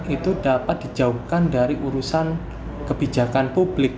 itu dapat dijauhkan dari urusan kebijakan publik